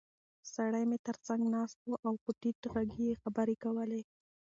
سړی مې تر څنګ ناست و او په ټیټ غږ یې خبرې کولې.